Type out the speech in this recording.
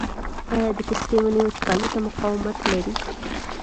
آیا د پستې ونې وچکالۍ ته مقاومت لري؟